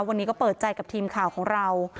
วันนี้ก็เปิดใจกับทีมข่าวของเรา